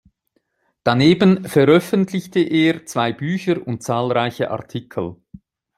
Daneben veröffentlichte er zwei Bücher und zahlreiche Artikel.